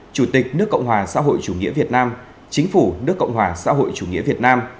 chủ tịch nước cộng hòa xã hội chủ nghĩa việt nam chính phủ nước cộng hòa xã hội chủ nghĩa việt nam